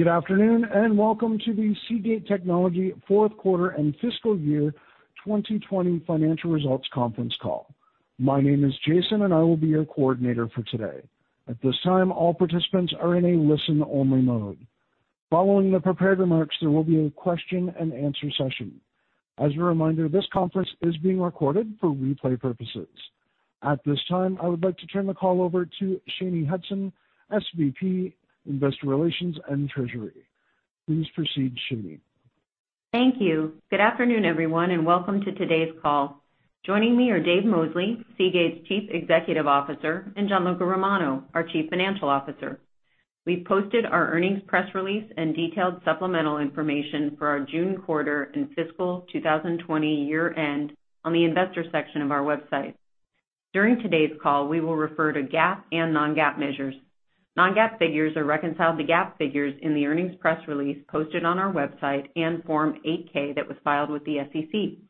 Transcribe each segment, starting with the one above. Good afternoon, welcome to the Seagate Technology fourth quarter and fiscal 2020 financial results conference call. My name is Jason, and I will be your coordinator for today. At this time, all participants are in a listen-only mode. Following the prepared remarks, there will be a question and answer session. As a reminder, this conference is being recorded for replay purposes. At this time, I would like to turn the call over to Shanye Hudson, SVP, Investor Relations and Treasury. Please proceed, Shani. Thank you. Good afternoon, everyone, and welcome to today's call. Joining me are Dave Mosley, Seagate's Chief Executive Officer, and Gianluca Romano, our Chief Financial Officer. We've posted our earnings press release and detailed supplemental information for our June quarter and fiscal 2020 -end on the investor section of our website. During today's call, we will refer to GAAP and non-GAAP measures. Non-GAAP figures are reconciled to GAAP figures in the earnings press release posted on our website and Form 8-K that was filed with the SEC.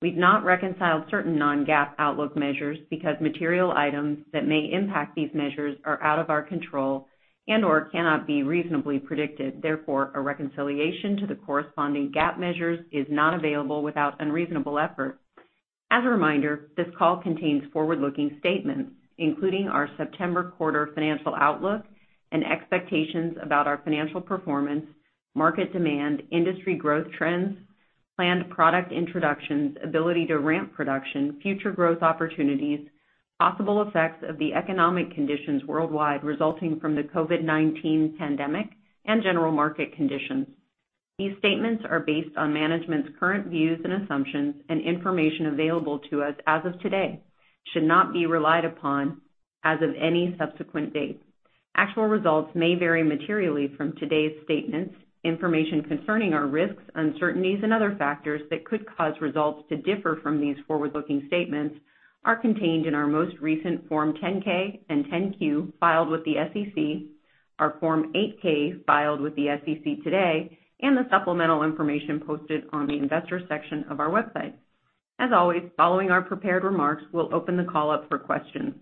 We've not reconciled certain non-GAAP outlook measures because material items that may impact these measures are out of our control and/or cannot be reasonably predicted. Therefore, a reconciliation to the corresponding GAAP measures is not available without unreasonable effort. As a reminder, this call contains forward-looking statements, including our September quarter financial outlook and expectations about our financial performance, market demand, industry growth trends, planned product introductions, ability to ramp production, future growth opportunities, possible effects of the economic conditions worldwide resulting from the COVID-19 pandemic, and general market conditions. These statements are based on management's current views and assumptions and information available to us as of today, should not be relied upon as of any subsequent date. Actual results may vary materially from today's statements. Information concerning our risks, uncertainties, and other factors that could cause results to differ from these forward-looking statements are contained in our most recent Form 10-K and 10-Q filed with the SEC, our Form 8-K filed with the SEC today, and the supplemental information posted on the investor section of our website. As always, following our prepared remarks, we'll open the call up for questions.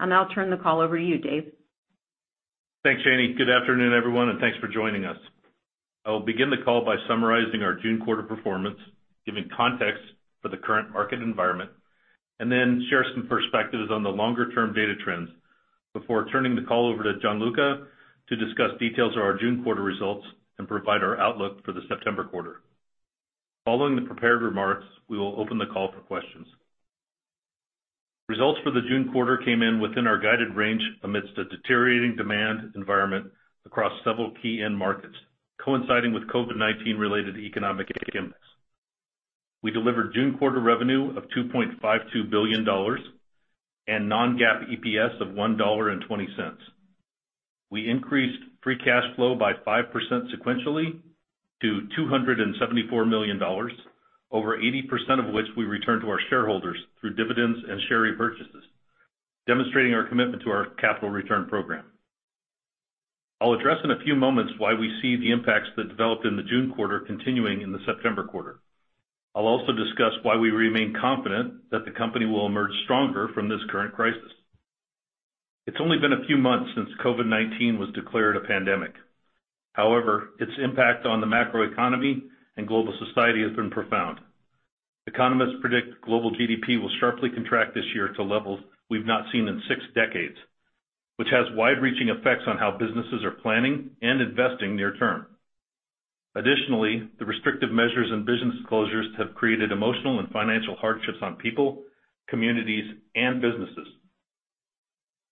I'll now turn the call over to you, Dave. Thanks, Shanye. Good afternoon, everyone. Thanks for joining us. I will begin the call by summarizing our June quarter performance, giving context for the current market environment, then share some perspectives on the longer-term data trends before turning the call over to Gianluca to discuss details of our June quarter results and provide our outlook for the September quarter. Following the prepared remarks, we will open the call for questions. Results for the June quarter came in within our guided range amidst a deteriorating demand environment across several key end markets, coinciding with COVID-19 related economic impacts. We delivered June quarter revenue of $2.52 billion. Non-GAAP EPS of $1.20. We increased free cash flow by 5% sequentially to $274 million, over 80% of which we returned to our shareholders through dividends and share repurchases, demonstrating our commitment to our capital return program. I'll address in a few moments why we see the impacts that developed in the June quarter continuing in the September quarter. I'll also discuss why we remain confident that the company will emerge stronger from this current crisis. It's only been a few months since COVID-19 was declared a pandemic. Its impact on the macroeconomy and global society has been profound. Economists predict global GDP will sharply contract this to levels we've not seen in six decades, which has wide-reaching effects on how businesses are planning and investing near-term. The restrictive measures and business closures have created emotional and financial hardships on people, communities, and businesses.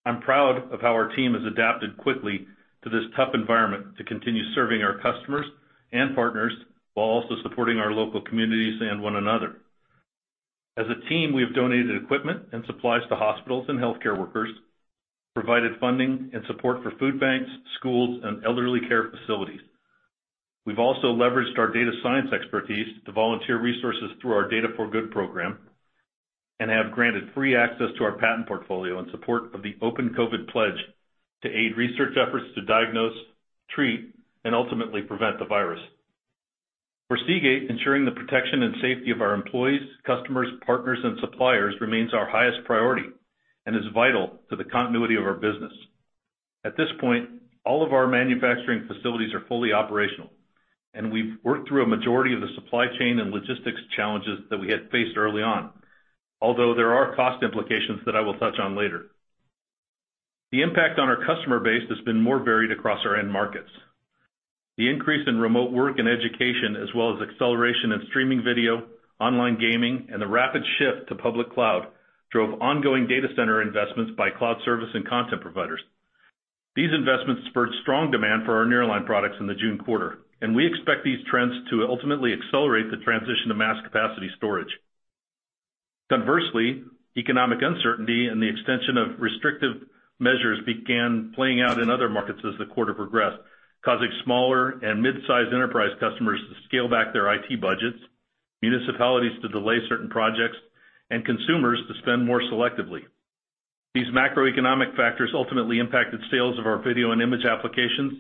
I'm proud of how our team has adapted quickly to this tough environment to continue serving our customers and partners while also supporting our local communities and one another. As a team, we have donated equipment and supplies to hospitals and healthcare workers, provided funding and support for food banks, schools, and elderly care facilities. We've also leveraged our data science expertise to volunteer resources through our Data for Good program and have granted free access to our patent portfolio in support of the Open COVID pledge to aid research efforts to diagnose, treat, and ultimately prevent the virus. For Seagate, ensuring the protection and safety of our employees, customers, partners, and suppliers remains our highest priority and is vital to the continuity of our business. At this point, all of our manufacturing facilities are fully operational, and we've worked through a majority of the supply chain and logistics challenges that we had faced early on. There are cost implications that I will touch on later. The impact on our customer base has been more varied across our end markets. The increase in remote work and education, as well as acceleration in streaming video, online gaming, and the rapid shift to public cloud drove ongoing data center investments by cloud service and content providers. These investments spurred strong demand for our nearline products in the June quarter. We expect these trends to ultimately accelerate the transition to mass capacity storage. Conversely, economic uncertainty and the extension of restrictive measures began playing out in other markets as the quarter progressed, causing smaller and mid-sized enterprise customers to scale back their IT budgets, municipalities to delay certain projects, and consumers to spend more selectively. These macroeconomic factors ultimately impacted sales of our video and image applications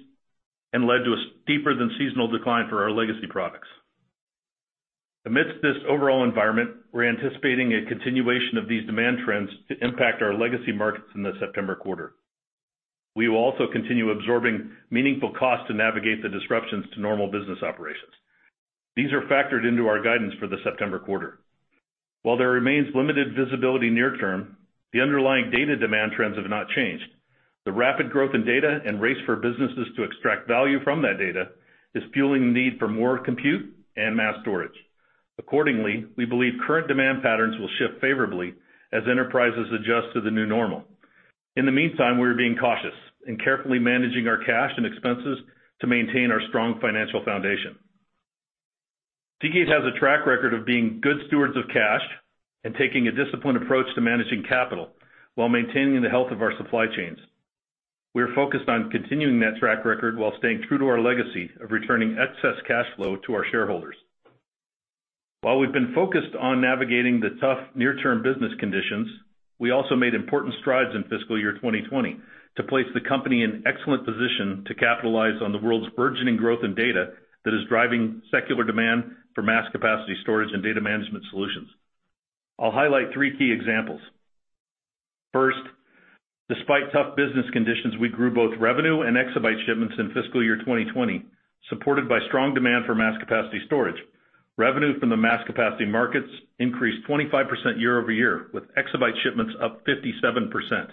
and led to a steeper-than-seasonal decline for our legacy products. Amidst this overall environment, we're anticipating a continuation of these demand trends to impact our legacy markets in the September quarter. We will also continue absorbing meaningful costs to navigate the disruptions to normal business operations. These are factored into our guidance for the September quarter. While there remains limited visibility near- term, the underlying data demand trends have not changed. The rapid growth in data and race for businesses to extract value from that data is fueling the need for more compute and mass storage. Accordingly, we believe current demand patterns will shift favorably as enterprises adjust to the new normal. In the meantime, we are being cautious and carefully managing our cash and expenses to maintain our strong financial foundation. Seagate has a track record of being good stewards of cash and taking a disciplined approach to managing capital while maintaining the health of our supply chains. We are focused on continuing that track record while staying true to our legacy of returning excess cash flow to our shareholders. While we've been focused on navigating the tough near-term business conditions, we also made important strides in fiscal 2020 to place the company in excellent position to capitalize on the world's burgeoning growth in data that is driving secular demand for mass capacity storage and data management solutions. I'll highlight three key examples. First, despite tough business conditions, we grew both revenue and exabyte shipments in fiscal 2020, supported by strong demand for mass capacity storage. Revenue from the mass capacity markets increased 25% -over-, with exabyte shipments up 57%.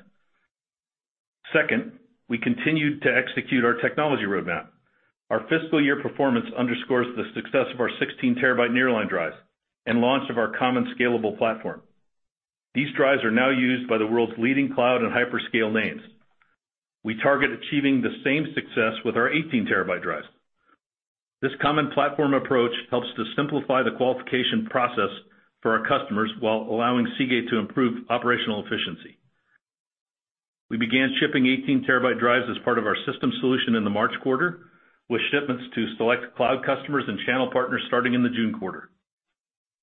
Second, we continued to execute our technology roadmap. Our fiscal performance underscores the success of our 16 terabyte nearline drives and launch of our common scalable platform. These drives are now used by the world's leading cloud and hyperscale names. We target achieving the same success with our 18 terabyte drives. This common platform approach helps to simplify the qualification process for our customers while allowing Seagate to improve operational efficiency. We began shipping 18 terabyte drives as part of our system solution in the March quarter, with shipments to select cloud customers and channel partners starting in the June quarter.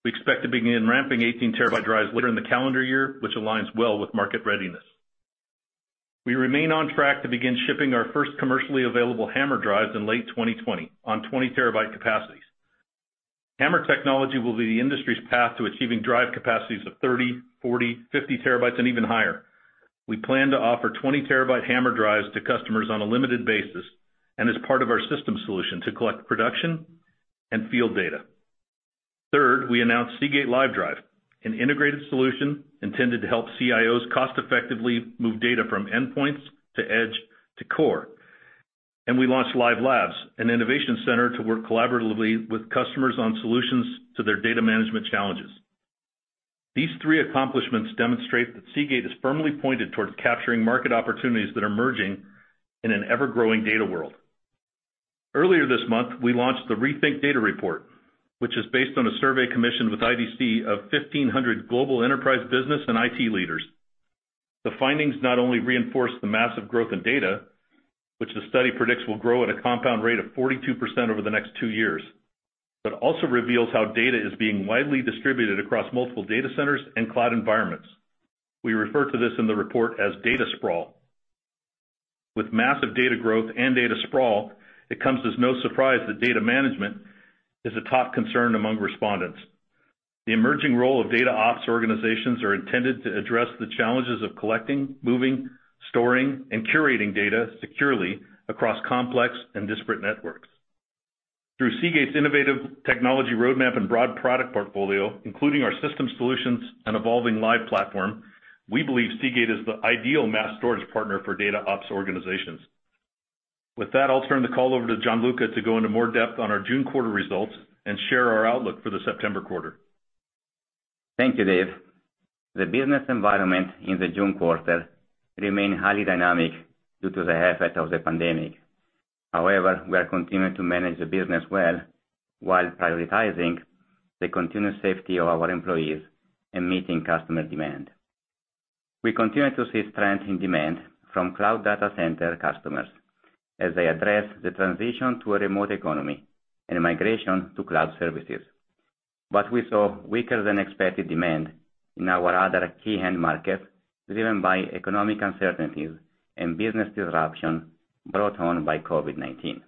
We expect to begin ramping 18 terabyte drives later in the calendar, which aligns well with market readiness. We remain on track to begin shipping our first commercially available HAMR drives in late 2020 on 20 terabyte capacities. HAMR technology will be the industry's path to achieving drive capacities of 30, 40, 50 terabytes, and even higher. We plan to offer 20 terabyte HAMR drives to customers on a limited basis and as part of our system solution to collect production and field data. Third, we announced Seagate LyveDrive, an integrated solution intended to help CIOs cost effectively move data from endpoints to edge to core. We launched Lyve Labs, an innovation center to work collaboratively with customers on solutions to their data management challenges. These three accomplishments demonstrate that Seagate is firmly pointed towards capturing market opportunities that are merging in an ever-growing data world. Earlier this month, we launched the Rethink Data Report, which is based on a survey commissioned with IDC of 1,500 global enterprise business and IT leaders. The findings not only reinforce the massive growth in data, which the study predicts will grow at a compound rate of 42% over the next two s, but also reveals how data is being widely distributed across multiple data centers and cloud environments. We refer to this in the report as data sprawl. With massive data growth and data sprawl, it comes as no surprise that data management is a top concern among respondents. The emerging role of DataOps organizations are intended to address the challenges of collecting, moving, storing, and curating data securely across complex and disparate networks. Through Seagate's innovative technology roadmap and broad product portfolio, including our system solutions and evolving Lyve platform, we believe Seagate is the ideal mass storage partner for DataOps organizations. With that, I'll turn the call over to Gianluca to go into more depth on our June quarter results and share our outlook for the September quarter. Thank you, Dave. The business environment in the June quarter remained highly dynamic due to the effect of the pandemic. We are continuing to manage the business well while prioritizing the continued safety of our employees and meeting customer demand. We continue to see strength in demand from cloud data center customers as they address the transition to a remote economy and migration to cloud services. We saw weaker than expected demand in our other key end markets, driven by economic uncertainties and business disruption brought on by COVID-19.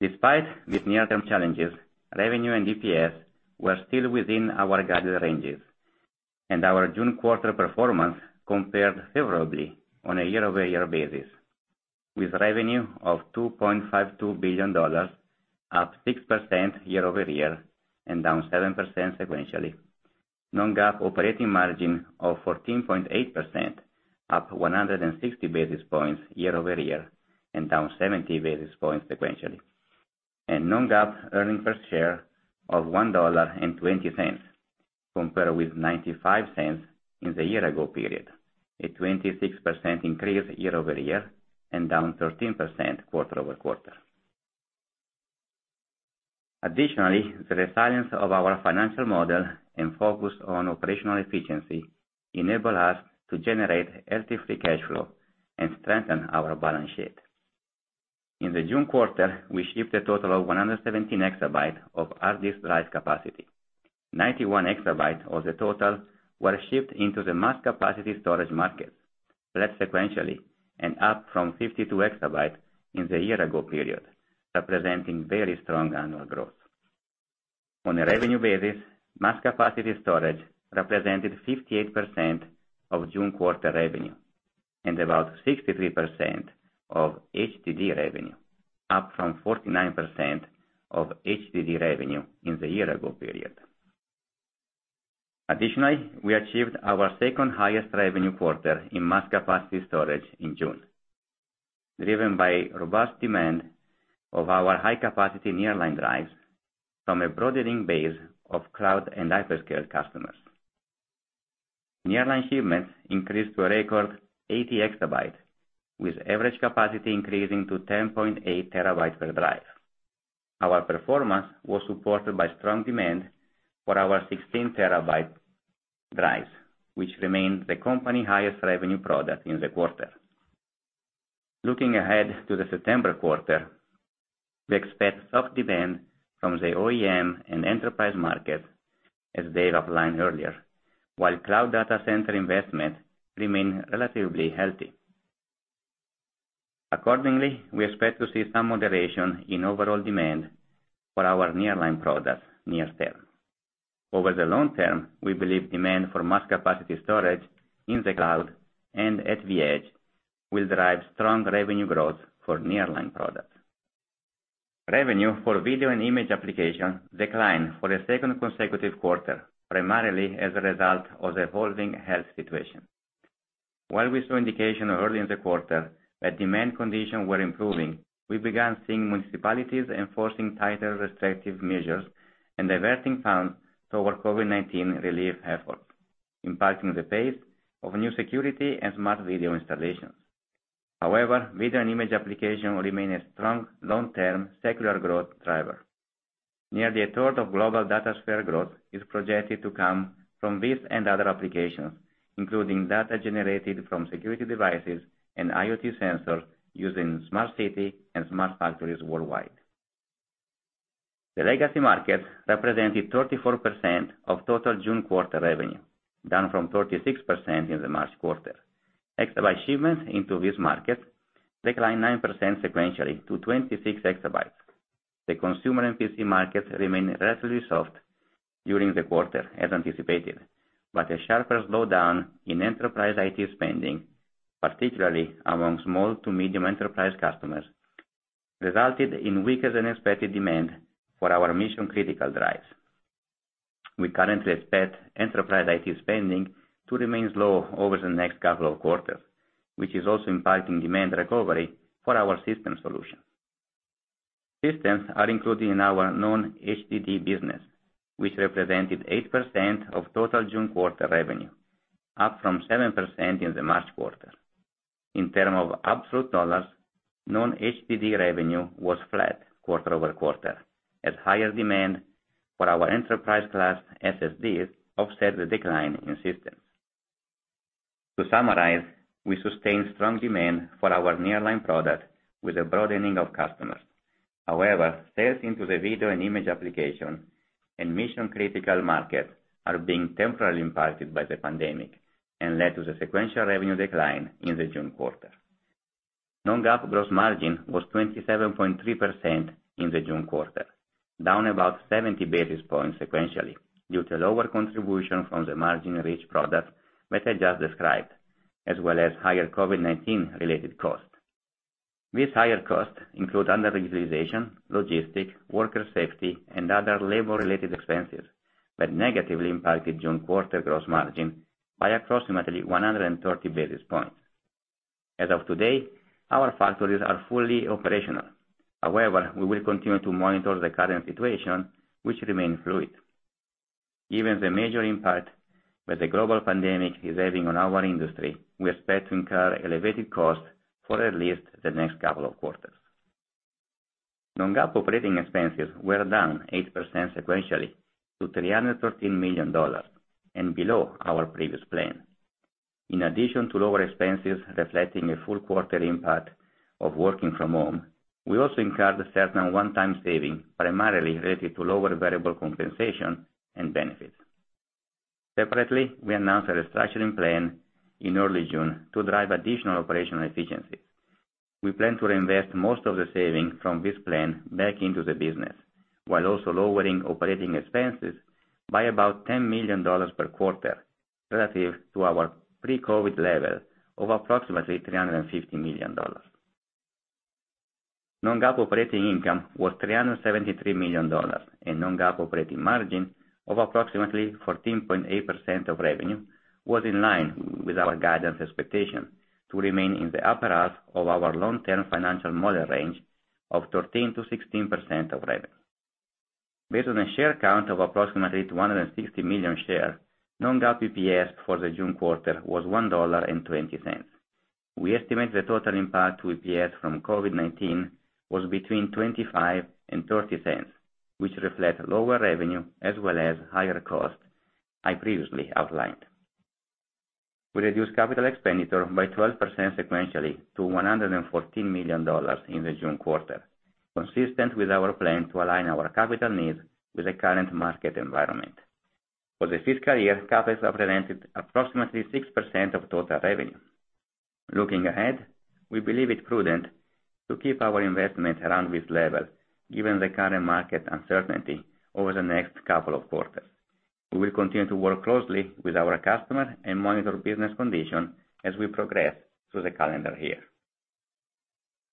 Despite these near-term challenges, revenue and EPS were still within our guided ranges, and our June quarter performance compared favorably on a -over- basis with revenue of $2.52 billion, up 6% -over- and down 7% sequentially. Non-GAAP operating margin of 14.8%, up 160 basis points -over- and down 70 basis points sequentially. Non-GAAP earnings per share of $1.20 compared with $0.95 in the ago period, a 26% increase -over- and down 13% quarter-over-quarter. Additionally, the resilience of our financial model and focus on operational efficiency enable us to generate healthy free cash flow and strengthen our balance sheet. In the June quarter, we shipped a total of 117 exabyte of hard disk drive capacity. 91 exabyte of the total were shipped into the mass capacity storage market. Flat sequentially and up from 52 exabyte in the ago period, representing very strong annual growth. On a revenue basis, mass capacity storage represented 58% of June quarter revenue and about 63% of HDD revenue, up from 49% of HDD revenue in the ago period. Additionally, we achieved our second highest revenue quarter in mass capacity storage in June, driven by robust demand of our high capacity nearline drives from a broadening base of cloud and hyperscale customers. Nearline shipments increased to a record 80 exabytes, with average capacity increasing to 10.8 terabytes per drive. Our performance was supported by strong demand for our 16 terabyte drives, which remained the company highest revenue product in the quarter. Looking ahead to the September quarter, we expect soft demand from the OEM and enterprise markets, as Dave outlined earlier, while cloud data center investment remain relatively healthy. Accordingly, we expect to see some moderation in overall demand for our nearline products near- term. Over the long- term, we believe demand for mass capacity storage in the cloud and at the edge will drive strong revenue growth for nearline products. Revenue for video and image application declined for a second consecutive quarter, primarily as a result of the evolving health situation. While we saw indication early in the quarter that demand conditions were improving, we began seeing municipalities enforcing tighter restrictive measures and diverting funds toward COVID-19 relief efforts, impacting the pace of new security and smart video installations. However, video and image application remain a strong long-term secular growth driver. Nearly a third of global data sphere growth is projected to come from this and other applications, including data generated from security devices and IoT sensors using smart city and smart factories worldwide. The legacy market represented 34% of total June quarter revenue, down from 36% in the March quarter. Exabyte shipments into this market declined 9% sequentially to 21 exabytes. The consumer and PC market remained relatively soft during the quarter as anticipated, but a sharper slowdown in enterprise IT spending, particularly among small to medium enterprise customers, resulted in weaker than expected demand for our mission-critical drives. We currently expect enterprise IT spending to remain slow over the next couple of quarters, which is also impacting demand recovery for our system solutions. Systems are included in our non-HDD business, which represented 8% of total June quarter revenue, up from 7% in the March quarter. In terms of absolute dollars, non-HDD revenue was flat quarter-over-quarter, as higher demand for our enterprise class SSDs offset the decline in systems. To summarize, we sustained strong demand for our nearline product with a broadening of customers. However, sales into the video and image application and mission-critical markets are being temporarily impacted by the pandemic, and led to the sequential revenue decline in the June quarter. Non-GAAP gross margin was 27.3% in the June quarter, down about 70 basis points sequentially due to lower contribution from the margin-rich products that I just described, as well as higher COVID-19 related costs. These higher costs include underutilization, logistics, worker safety, and other labor-related expenses that negatively impacted June quarter gross margin by approximately 130 basis points. As of today, our factories are fully operational. However, we will continue to monitor the current situation, which remain fluid. Given the major impact that the global pandemic is having on our industry, we expect to incur elevated costs for at least the next couple of quarters. Non-GAAP operating expenses were down 8% sequentially to $313 million and below our previous plan. In addition to lower expenses reflecting a full quarter impact of working from home, we also incurred a certain one-time savings, primarily related to lower variable compensation and benefits. Separately, we announced a restructuring plan in early June to drive additional operational efficiencies. We plan to reinvest most of the savings from this plan back into the business, while also lowering operating expenses by about $10 million per quarter relative to our pre-COVID level of approximately $350 million. Non-GAAP operating income was $373 million, and non-GAAP operating margin of approximately 14.8% of revenue was in line with our guidance expectation to remain in the upper half of our long-term financial model range of 13%-16% of revenue. Based on a share count of approximately 160 million shares, non-GAAP EPS for the June quarter was $1.20. We estimate the total impact to EPS from COVID-19 was between $0.25 and $0.30, which reflect lower revenue as well as higher costs I previously outlined. We reduced capital expenditure by 12% sequentially to $114 million in the June quarter, consistent with our plan to align our capital needs with the current market environment. For the fiscal, CapEx represented approximately 6% of total revenue. Looking ahead, we believe it prudent to keep our investment around this level given the current market uncertainty over the next couple of quarters. We will continue to work closely with our customer and monitor business condition as we progress through the calendar.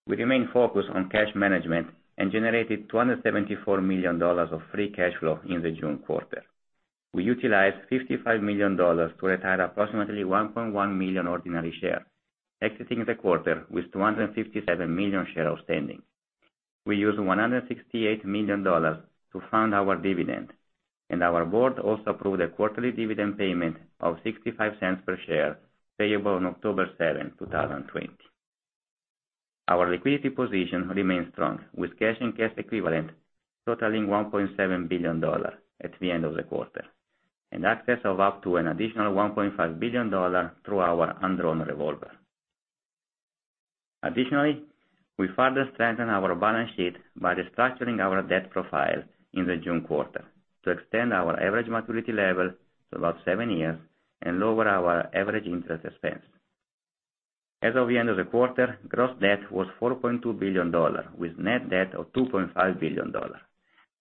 We remain focused on cash management and generated $274 million of free cash flow in the June quarter. We utilized $55 million to retire approximately 1.1 million ordinary shares, exiting the quarter with 257 million shares outstanding. We used $168 million to fund our dividend, and our board also approved a quarterly dividend payment of $0.65 per share, payable on October 7th, 2020. Our liquidity position remains strong, with cash and cash equivalents totaling $1.7 billion at the end of the quarter, and access of up to an additional $1.5 billion through our undrawn revolver. We further strengthened our balance sheet by restructuring our debt profile in the June quarter to extend our average maturity level to about seven s and lower our average interest expense. As of the end of the quarter, gross debt was $4.2 billion, with net debt of $2.5 billion.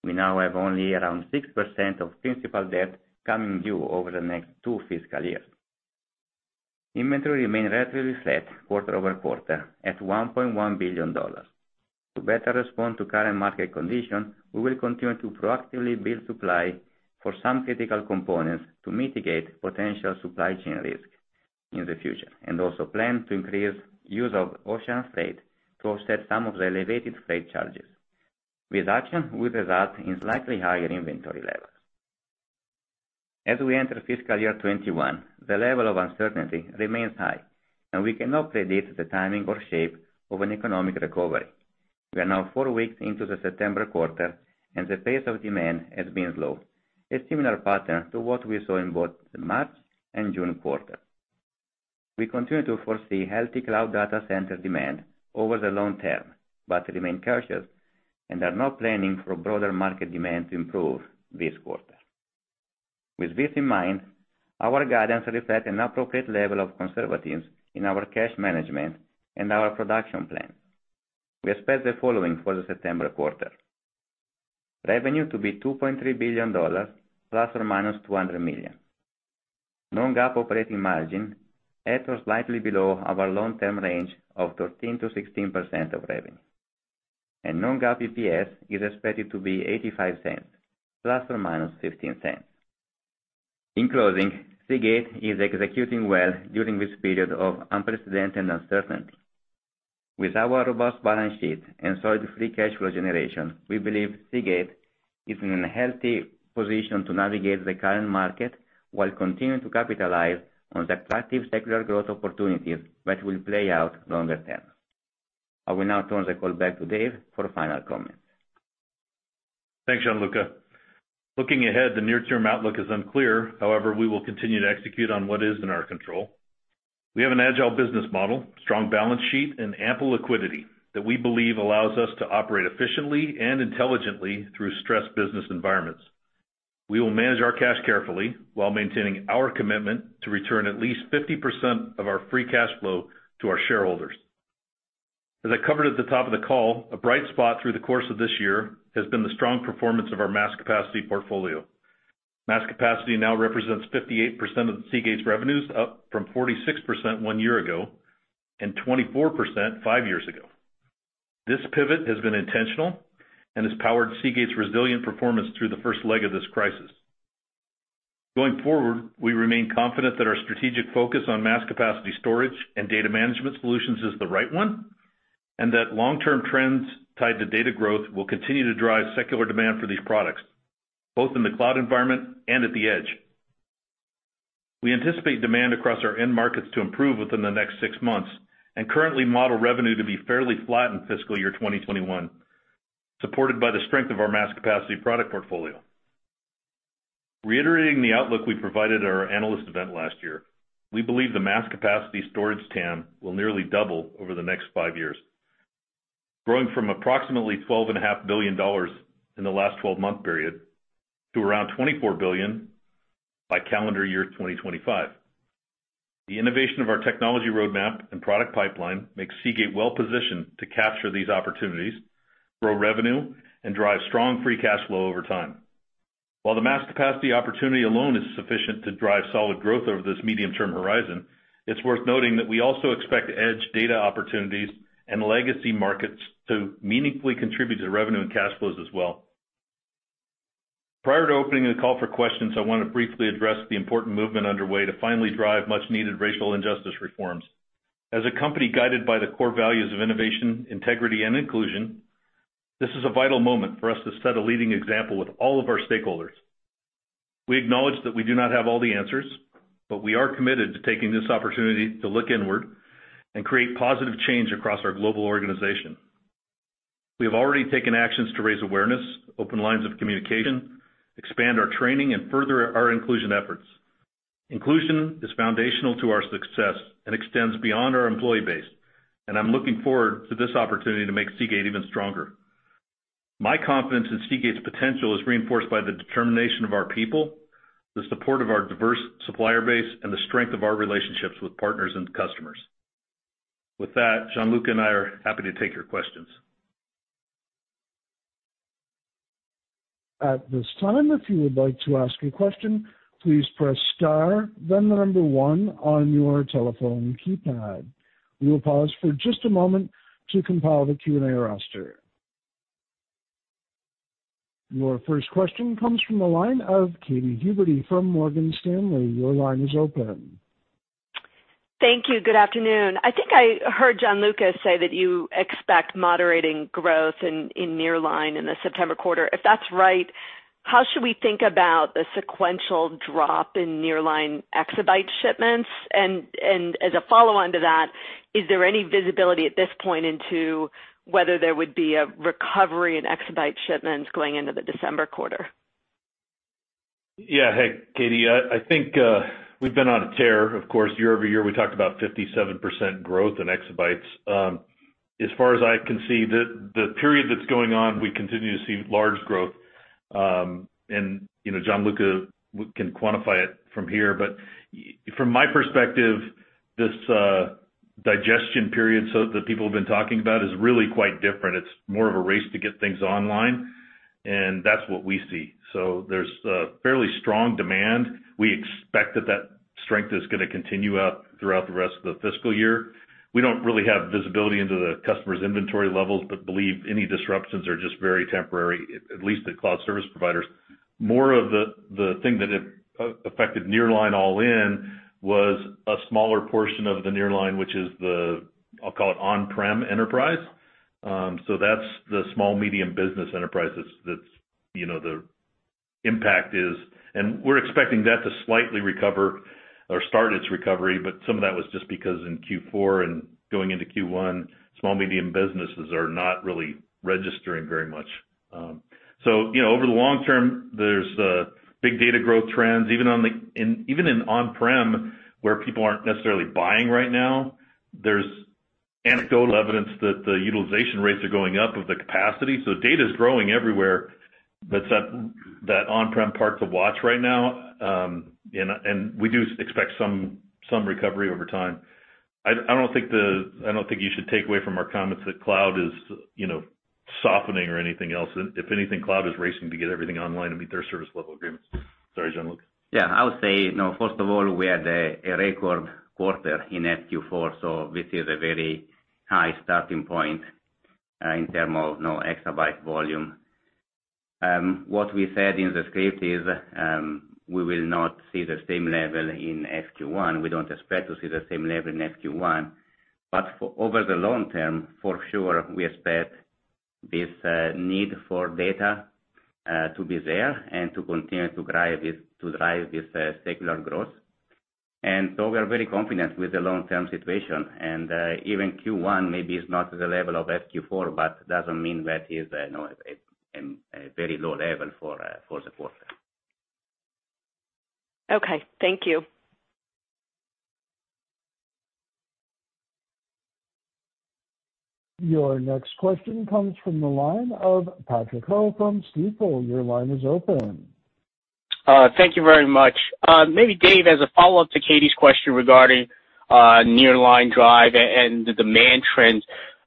We now have only around 6% of principal debt coming due over the next two fiscal s. Inventory remained relatively flat quarter-over-quarter at $1.1 billion. To better respond to current market conditions, we will continue to proactively build supply for some critical components to mitigate potential supply chain risk in the future, and also plan to increase use of ocean freight to offset some of the elevated freight charges. These actions will result in slightly higher inventory levels. As we enter fiscal 2021, the level of uncertainty remains high, and we cannot predict the timing or shape of an economic recovery. We are now four weeks into the September quarter, and the pace of demand has been slow, a similar pattern to what we saw in both the March and June quarters. We continue to foresee healthy cloud data center demand over the long- term, but remain cautious and are not planning for broader market demand to improve this quarter. With this in mind, our guidance reflects an appropriate level of conservatism in our cash management and our production plan. We expect the following for the September quarter. Revenue to be $2.3 billion ±$200 million. Non-GAAP operating margin at or slightly below our long-term range of 13%-16% of revenue. Non-GAAP EPS is expected to be $0.85 ±$0.15. In closing, Seagate is executing well during this period of unprecedented uncertainty. With our robust balance sheet and solid free cash flow generation, we believe Seagate is in a healthy position to navigate the current market while continuing to capitalize on the attractive secular growth opportunities that will play out longer- term. I will now turn the call back to Dave for final comments. Thanks, Gianluca. Looking ahead, the near-term outlook is unclear. However, we will continue to execute on what is in our control. We have an agile business model, strong balance sheet, and ample liquidity that we believe allows us to operate efficiently and intelligently through stressed business environments. We will manage our cash carefully while maintaining our commitment to return at least 50% of our free cash flow to our shareholders. As I covered at the top of the call, a bright spot through the course of this has been the strong performance of our mass capacity portfolio. Mass capacity now represents 58% of Seagate's revenues, up from 46% one ago, and 24% five s ago. This pivot has been intentional and has powered Seagate's resilient performance through the first leg of this crisis. Going forward, we remain confident that our strategic focus on mass capacity storage and data management solutions is the right one, and that long-term trends tied to data growth will continue to drive secular demand for these products, both in the cloud environment and at the edge. We anticipate demand across our end markets to improve within the next six months, and currently model revenue to be fairly flat in fiscal 2021, supported by the strength of our mass capacity product portfolio. Reiterating the outlook we provided at our analyst event last, we believe the mass capacity storage TAM will nearly double over the next five s, growing from approximately $12.5 billion in the last 12-month period to around $24 billion by calendar 2025. The innovation of our technology roadmap and product pipeline makes Seagate well-positioned to capture these opportunities, grow revenue, and drive strong free cash flow over time. While the mass capacity opportunity alone is sufficient to drive solid growth over this medium-term horizon, it's worth noting that we also expect edge data opportunities and legacy markets to meaningfully contribute to revenue and cash flows as well. Prior to opening the call for questions, I want to briefly address the important movement underway to finally drive much-needed racial injustice reforms. As a company guided by the core values of innovation, integrity, and inclusion, this is a vital moment for us to set a leading example with all of our stakeholders. We acknowledge that we do not have all the answers, but we are committed to taking this opportunity to look inward and create positive change across our global organization. We have already taken actions to raise awareness, open lines of communication, expand our training, and further our inclusion efforts. Inclusion is foundational to our success and extends beyond our employee base, and I'm looking forward to this opportunity to make Seagate even stronger. My confidence in Seagate's potential is reinforced by the determination of our people, the support of our diverse supplier base, and the strength of our relationships with partners and customers. With that, Gianluca and I are happy to take your questions. At this time, if you would like to ask a question, please press star then the number one on your telephone keypad. We will pause for just a moment to compile the Q&A roster. Your first question comes from the line of Katy Huberty from Morgan Stanley. Your line is open. Thank you. Good afternoon. I think I heard Gianluca say that you expect moderating growth in Nearline in the September quarter. If that's right, how should we think about the sequential drop in Nearline exabyte shipments? As a follow-on to that, is there any visibility at this point into whether there would be a recovery in exabyte shipments going into the December quarter? Yeah. Hey, Katy. I think we've been on a tear. Of course, -over-, we talked about 57% growth in exabytes. As far as I can see, the period that's going on, we continue to see large growth. Gianluca can quantify it from here, but from my perspective, this digestion period that people have been talking about is really quite different. It's more of a race to get things online, and that's what we see. There's a fairly strong demand. We expect that strength is going to continue out throughout the rest of the fiscal. We don't really have visibility into the customers' inventory levels, but believe any disruptions are just very temporary, at least at cloud service providers. More of the thing that affected Nearline all in was a smaller portion of the Nearline, which is the, I'll call it on-prem enterprise. That's the small medium business enterprise that the impact is. We're expecting that to slightly recover or start its recovery, but some of that was just because in Q4 and going into Q1, small, medium businesses are not really registering very much. Over the long -term, there's big data growth trends, even in on-prem, where people aren't necessarily buying right now. There's anecdotal evidence that the utilization rates are going up of the capacity. Data is growing everywhere, but that on-prem part to watch right now, and we do expect some recovery over time. I don't think you should take away from our comments that cloud is softening or anything else. If anything, cloud is racing to get everything online to meet their service level agreements. Sorry, Gianluca. I would say, first of all, we had a record quarter in FYQ4, so this is a very high starting point in terms of exabyte volume. What we said in the script is, we will not see the same level in FYQ1. We don't expect to see the same level in FYQ1. Over the long- term, for sure, we expect this need for data to be there and to continue to drive this secular growth. We are very confident with the long-term situation. Even Q1 maybe is not the level of FYQ4, but doesn't mean that is a very low level for the quarter. Okay. Thank you. Your next question comes from the line of Patrick Ho from Stifel. Your line is open. Thank you very much. Maybe Dave, as a follow-up to Katy's question regarding Nearline drive and the demand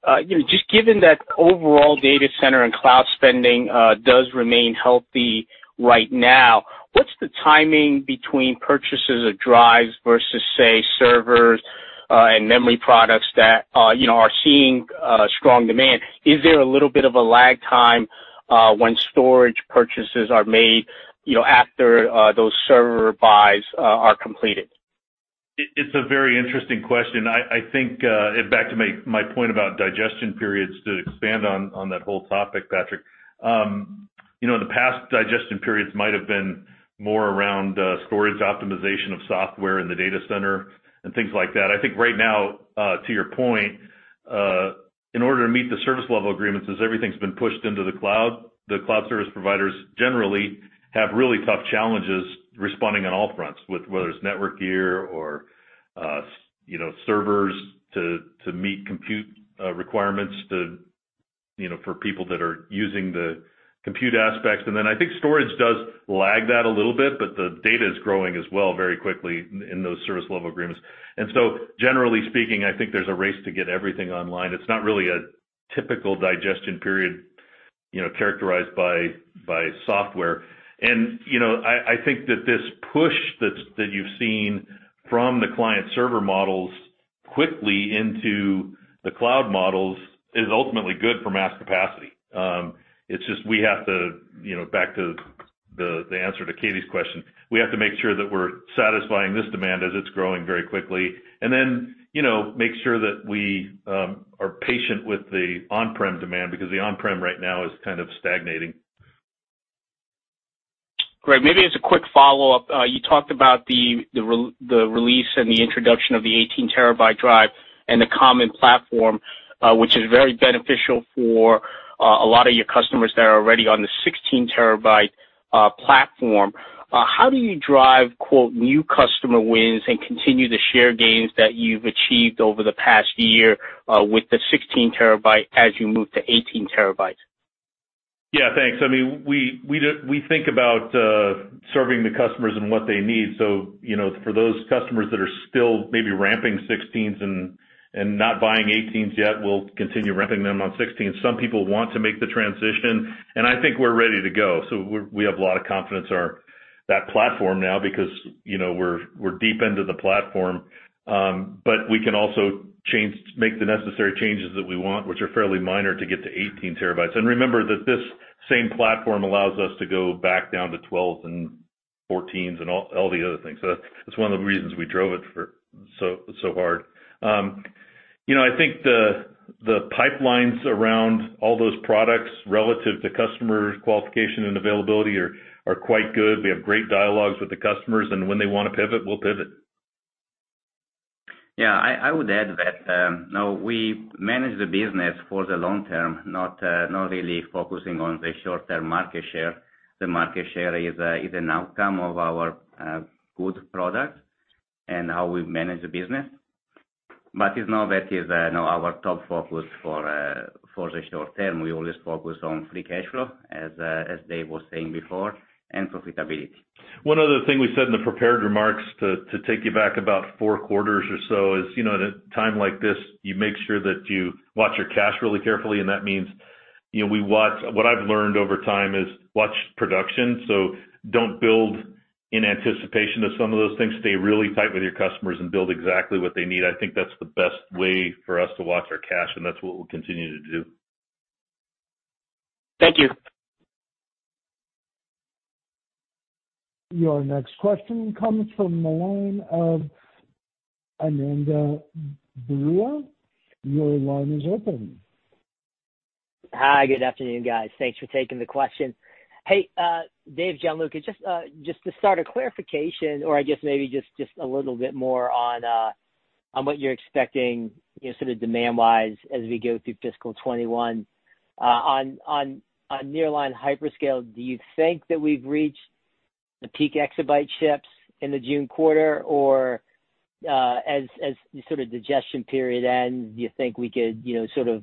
trends. Just given that overall data center and cloud spending does remain healthy right now, what's the timing between purchases of drives versus, say, servers and memory products that are seeing strong demand? Is there a little bit of a lag time when storage purchases are made after those server buys are completed? It's a very interesting question. I think back to my point about digestion periods to expand on that whole topic, Patrick. The past digestion periods might have been more around storage optimization of software in the data center and things like that. I think right now, to your point, in order to meet the service level agreements as everything's been pushed into the cloud, the cloud service providers generally have really tough challenges responding on all fronts, whether it's network gear or servers to meet compute requirements for people that are using the compute aspects. I think storage does lag that a little bit, but the data is growing as well very quickly in those service level agreements. Generally speaking, I think there's a race to get everything online. It's not really a typical digestion period characterized by software. I think that this push that you've seen from the client server models quickly into the cloud models is ultimately good for mass capacity. It's just we have to, back to the answer to Katy's question, we have to make sure that we're satisfying this demand as it's growing very quickly, and then make sure that we are patient with the on-prem demand because the on-prem right now is kind of stagnating. Great. Maybe as a quick follow-up. You talked about the release and the introduction of the 18 terabyte drive and the common platform, which is very beneficial for a lot of your customers that are already on the 16 terabyte platform, how do you drive "new customer wins" and continue the share gains that you've achieved over the past with the 16 terabyte as you move to 18 terabytes? Yeah, thanks. We think about serving the customers and what they need. For those customers that are still maybe ramping 16s and not buying 18s yet, we'll continue ramping them on 16. Some people want to make the transition, and I think we're ready to go. We have a lot of confidence that platform now because we're deep into the platform. We can also make the necessary changes that we want, which are fairly minor to get to 18 terabytes. Remember that this same platform allows us to go back down to 12s and 14s and all the other things. That's one of the reasons we drove it so hard. I think the pipelines around all those products relative to customer qualification and availability are quite good. We have great dialogues with the customers, and when they want to pivot, we'll pivot. Yeah, I would add that, now we manage the business for the long- term, not really focusing on the short-term market share. The market share is an outcome of our good product and how we manage the business. Is now that is our top focus for the short- term. We always focus on free cash flow, as Dave was saying before, and profitability. One other thing we said in the prepared remarks to take you back about four quarters or so is, at a time like this, you make sure that you watch your cash really carefully, and that means what I've learned over time is watch production. Don't build in anticipation of some of those things. Stay really tight with your customers and build exactly what they need. I think that's the best way for us to watch our cash, and that's what we'll continue to do. Thank you. Your next question comes from the line of Ananda Baruah. Your line is open. Hi, good afternoon, guys. Thanks for taking the question. Hey, Dave, Gianluca, just to start, a clarification or I guess maybe just a little bit more on what you're expecting sort of demand-wise as we go through fiscal 2021. On nearline hyperscale, do you think that we've reached the peak exabyte ships in the June quarter? As the sort of digestion period ends, do you think we could sort of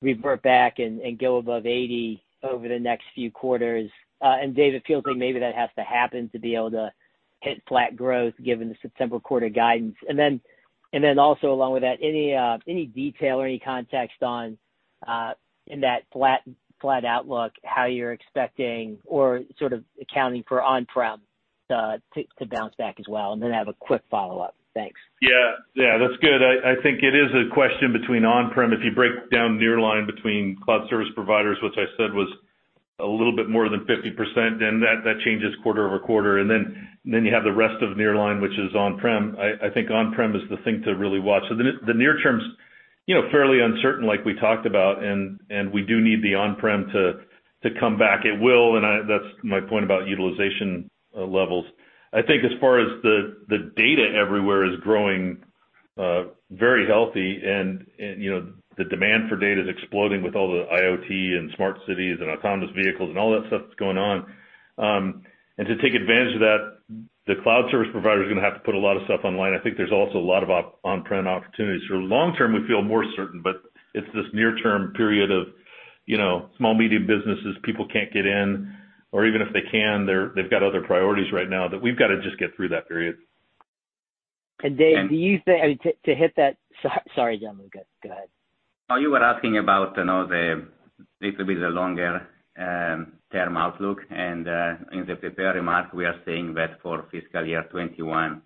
revert back and go above 80 over the next few quarters? Dave, it feels like maybe that has to happen to be able to hit flat growth given the September quarter guidance. Also along with that, any detail or any context on, in that flat outlook, how you're expecting or sort of accounting for on-prem to bounce back as well? I have a quick follow-up. Thanks. Yeah. That's good. I think it is a question between on-prem, if you break down nearline between cloud service providers, which I said was a little bit more than 50%, that changes quarter-over-quarter. You have the rest of nearline, which is on-prem. I think on-prem is the thing to really watch. The near term's fairly uncertain like we talked about, and we do need the on-prem to come back. It will, and that's my point about utilization levels. I think as far as the data everywhere is growing very healthy and the demand for data is exploding with all the IoT and smart cities and autonomous vehicles and all that stuff that's going on. To take advantage of that, the cloud service provider is going to have to put a lot of stuff online. I think there's also a lot of on-prem opportunities. For long- term, we feel more certain, but it's this near-term period of small, medium businesses, people can't get in, or even if they can, they've got other priorities right now that we've got to just get through that period. Dave, do you think. I mean, to hit that. Sorry, Gianluca. Go ahead. No, you were asking about the little bit longer- term outlook. In the prepared remark, we are saying that for fiscal 2021,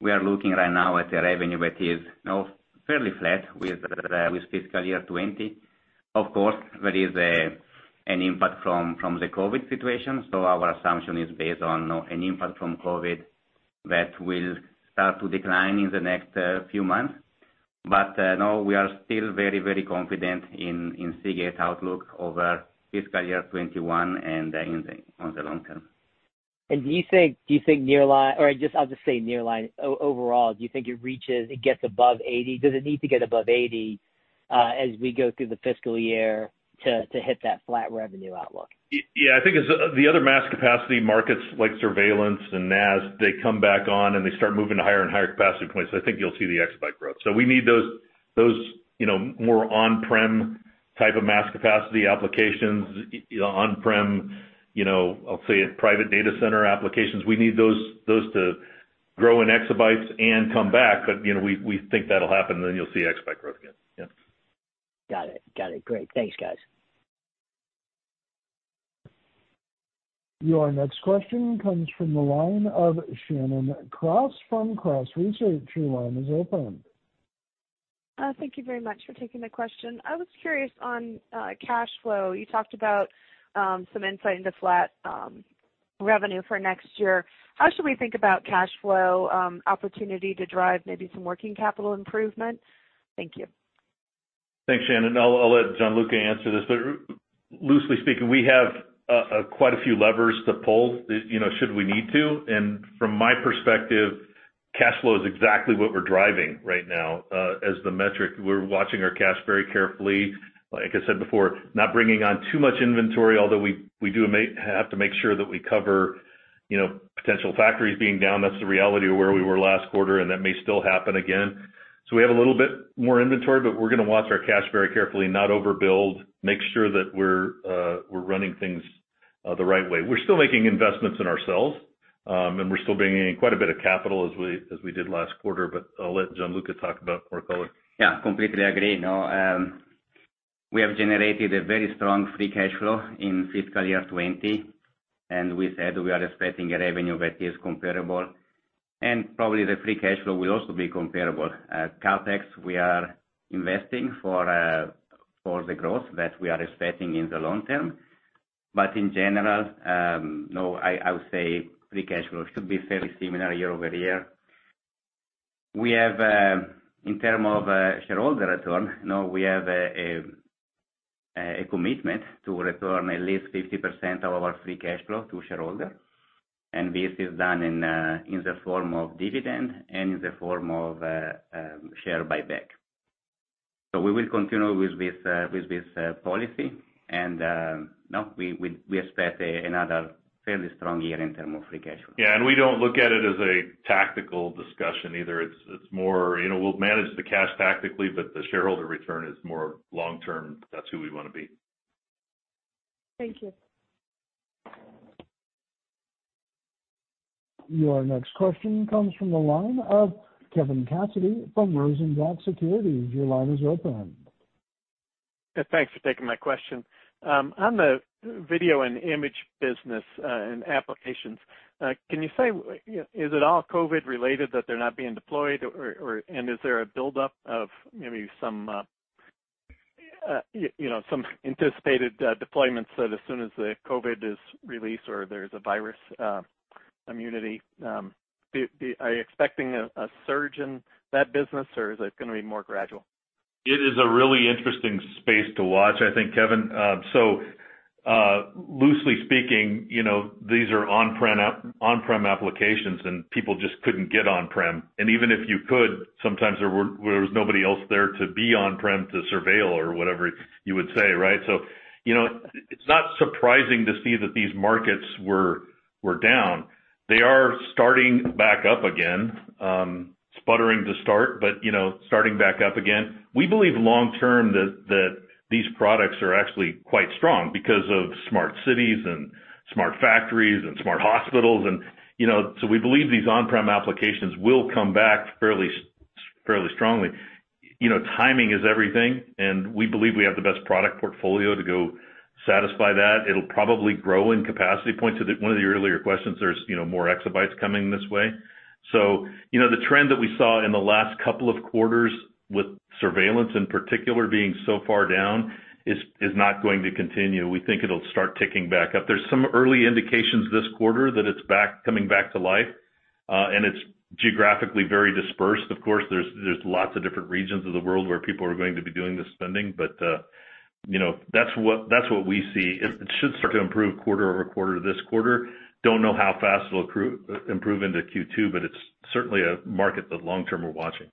we are looking right now at a revenue that is now fairly flat with fiscal 2020. Of course, there is an impact from the COVID-19 situation. Our assumption is based on an impact from COVID-19 that will start to decline in the next few months. No, we are still very confident in Seagate outlook over fiscal 2021 and on the long- term. Do you think nearline or I'll just say nearline, overall, do you think it reaches, it gets above 80? Does it need to get above 80 as we go through the fiscal to hit that flat revenue outlook? Yeah, I think as the other mass capacity markets like surveillance and NAS, they come back on, and they start moving to higher and higher capacity points. I think you'll see the exabyte growth. We need those more on-prem type of mass capacity applications, on-prem, I'll say it, private data center applications. We need those to grow in exabytes and come back. We think that'll happen, then you'll see exabyte growth again. Yeah. Got it. Great. Thanks, guys. Your next question comes from the line of Shannon Cross from Cross Research. Your line is open. Thank you very much for taking the question. I was curious on cash flow. You talked about some insight into flat revenue for next. How should we think about cash flow opportunity to drive maybe some working capital improvement? Thank you. Thanks, Shannon. I'll let Gianluca answer this. Loosely speaking, we have quite a few levers to pull should we need to. From my perspective, cash flow is exactly what we're driving right now. As the metric, we're watching our cash very carefully. Like I said before, not bringing on too much inventory, although we do have to make sure that we cover potential factories being down. That's the reality of where we were last quarter. That may still happen again. We have a little bit more inventory. We're going to watch our cash very carefully, not overbuild, make sure that we're running things the right way. We're still making investments in ourselves. We're still bringing in quite a bit of capital as we did last quarter. I'll let Gianluca talk about more color. Yeah, completely agree. We have generated a very strong free cash flow in fiscal 2020. We said we are expecting a revenue that is comparable, and probably the free cash flow will also be comparable. CapEx, we are investing for the growth that we are expecting in the long- term. In general, I would say free cash flow should be fairly similar -over-. In terms of shareholder return, we have a commitment to return at least 50% of our free cash flow to shareholder, and this is done in the form of dividend and in the form of share buyback. We will continue with this policy. We expect another fairly strong in terms of free cash flow. We don't look at it as a tactical discussion either. We'll manage the cash tactically, the shareholder return is more long-term. That's who we want to be. Thank you. Your next question comes from the line of Kevin Cassidy from Rosenblatt Securities. Your line is open. Thanks for taking my question. On the video and image business and applications, can you say, is it all COVID related that they're not being deployed? Is there a buildup of maybe some anticipated deployments that as soon as the COVID is released or there's a virus immunity, are you expecting a surge in that business, or is it going to be more gradual? It is a really interesting space to watch, I think, Kevin. Loosely speaking, these are on-prem applications and people just couldn't get on-prem. Even if you could, sometimes there was nobody else there to be on-prem to surveil or whatever you would say, right? It's not surprising to see that these markets were down. They are starting back up again. Sputtering to start, starting back up again. We believe long-term that these products are actually quite strong because of smart cities, and smart factories, and smart hospitals. We believe these on-prem applications will come back fairly strongly. Timing is everything. We believe we have the best product portfolio to go satisfy that. It'll probably grow in capacity points. One of the earlier questions, there's more exabytes coming this way. The trend that we saw in the last couple of quarters with surveillance in particular being so far down is not going to continue. We think it'll start ticking back up. There's some early indications this quarter that it's coming back to life. It's geographically very dispersed. Of course, there's lots of different regions of the world where people are going to be doing the spending, but that's what we see. It should start to improve quarter-over-quarter this quarter. Don't know how fast it'll improve into Q2, but it's certainly a market that long-term we're watching.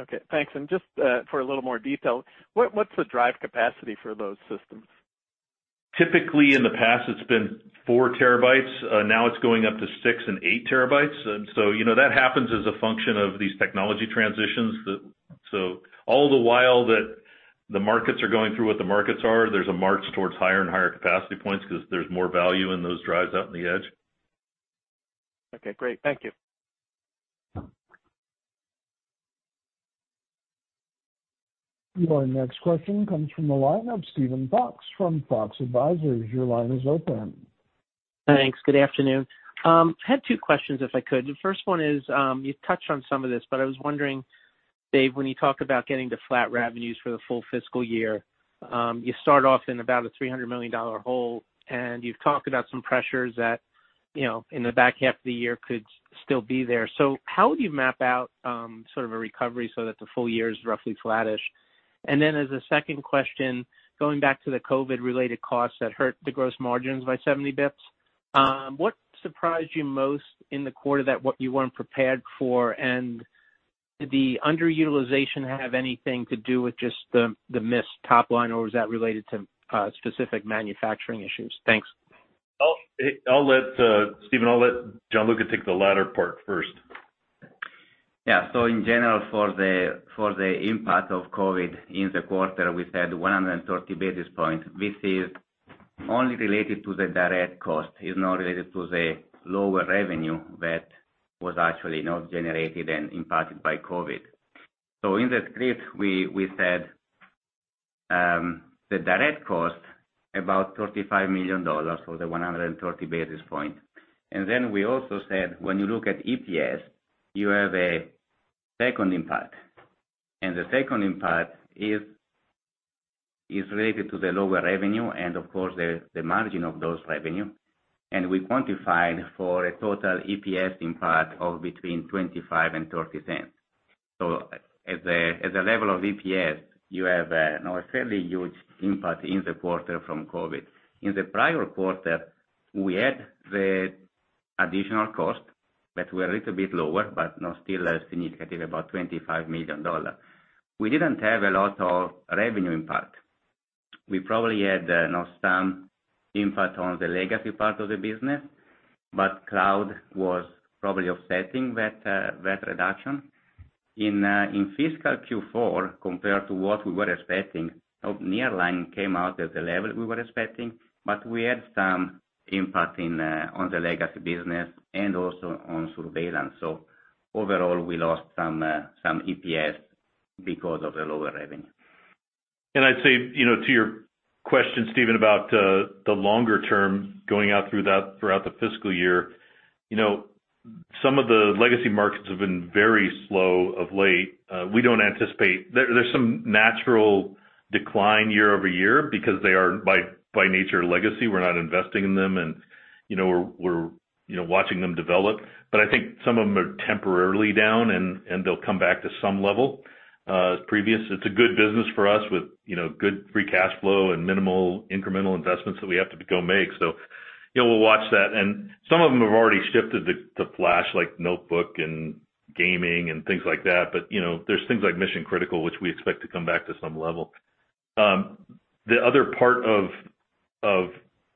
Okay, thanks. Just for a little more detail, what's the drive capacity for those systems? Typically, in the past it's been four terabytes. Now it's going up to six and eight terabytes. That happens as a function of these technology transitions. All the while that the markets are going through what the markets are, there's a march towards higher and higher capacity points because there's more value in those drives out in the edge. Okay, great. Thank you. Your next question comes from the line of Steven Fox from Fox Advisors. Your line is open. Thanks. Good afternoon. Had two questions, if I could. The first one is, you've touched on some of this, but I was wondering, Dave, when you talk about getting to flat revenues for the full fiscal, you start off in about a $300 million hole, and you've talked about some pressures that, in the back half of the could still be there. How would you map out sort of a recovery so that the full is roughly flattish? As a second question, going back to the COVID related costs that hurt the gross margins by 70 basis points, what surprised you most in the quarter that what you weren't prepared for? Did the underutilization have anything to do with just the missed top line, or was that related to specific manufacturing issues? Thanks. Steven, I'll let Gianluca take the latter part first. Yeah. In general, for the impact of COVID-19 in the quarter, we said 130 basis points. This is only related to the direct cost. It's not related to the lower revenue that was actually not generated and impacted by COVID-19. In the script, we said the direct cost, about $35 million for the 130 basis point. We also said, when you look at EPS, you have a second impact. The second impact is related to the lower revenue and of course the margin of those revenue. We quantified for a total EPS impact of between $0.25 and $0.30. At the level of EPS, you have a fairly huge impact in the quarter from COVID-19. In the prior quarter, we had the additional cost that were a little bit lower, but still significant, about $25 million. We didn't have a lot of revenue impact. We probably had some impact on the legacy part of the business, but cloud was probably offsetting that reduction. In fiscal Q4, compared to what we were expecting, nearline came out at the level we were expecting, but we had some impact on the legacy business and also on surveillance. Overall, we lost some EPS because of the lower revenue. I'd say, to your question, Steven, about the longer- term going out throughout the fiscal, some of the legacy markets have been very slow of late. There's some natural decline -over- because they are, by nature, legacy. We're not investing in them, and we're watching them develop. I think some of them are temporarily down, and they'll come back to some level. Previous, it's a good business for us with good free cash flow and minimal incremental investments that we have to go make. We'll watch that. Some of them have already shifted to flash, like Notebook and gaming and things like that. There's things like mission critical, which we expect to come back to some level. The other part of,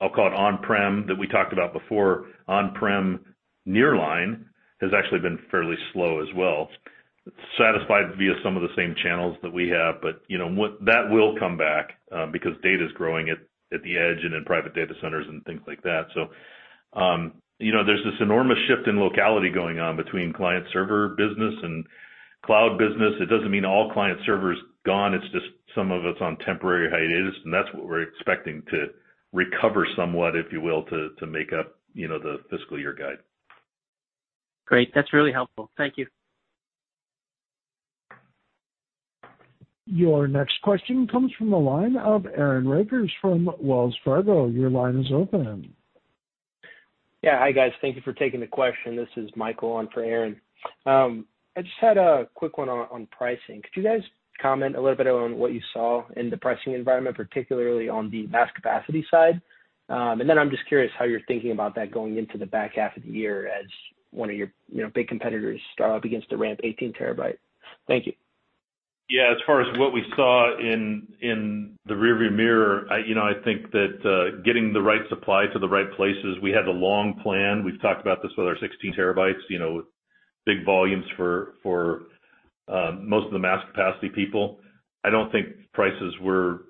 I'll call it on-prem, that we talked about before, on-prem nearline, has actually been fairly slow as well. Satisfied via some of the same channels that we have, but that will come back, because data's growing at the edge and in private data centers and things like that. There's this enormous shift in locality going on between client server business and cloud business. It doesn't mean all client server is gone, it's just some of it's on temporary hiatus, and that's what we're expecting to recover somewhat, if you will, to make up the fiscal guide. Great. That's really helpful. Thank you. Your next question comes from the line of Aaron Rakers from Wells Fargo. Your line is open. Yeah. Hi, guys. Thank you for taking the question. This is Michael on for Aaron. I just had a quick one on pricing. Could you guys comment a little bit on what you saw in the pricing environment, particularly on the mass capacity side? Then I'm just curious how you're thinking about that going into the back half of the as one of your big competitors start up against the ramp 18 terabyte. Thank you. Yeah. As far as what we saw in the rear view mirror, I think that getting the right supply to the right places, we had a long plan. We've talked about this with our 16 terabytes, big volumes for most of the mass capacity people. I don't think prices were